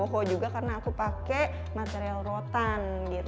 ada aksen boho juga karena aku pakai material rotan gitu